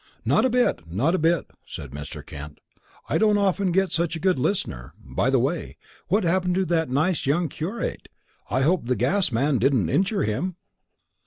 "Not a bit, not a bit!" said Mr. Kent. "I don't often get such a good listener. By the way, what happened to that nice young curate? I hope the gas man didn't injure him?"